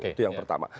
itu yang pertama